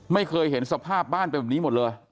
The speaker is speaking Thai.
ไม่เคยเห็นสภาพบ้านเป็นแบบนี้หมดเลย